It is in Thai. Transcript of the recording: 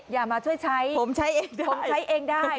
อย่ามาช่วยใช้ผมใช้เองได้